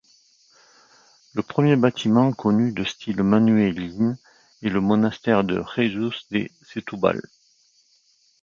Le premier bâtiment connu de style manuélin est le monastère de Jésus de Setúbal.